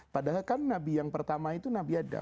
padahal kan nabi yang pertama itu nabi adam